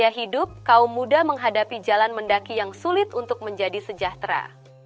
jika hidup kaum muda menghadapi jalan mendaki yang sulit untuk menjadi sejahtera